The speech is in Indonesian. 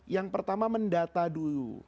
yang pertama mendata dulu